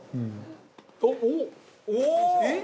おっ！